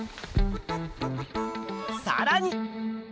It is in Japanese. さらに！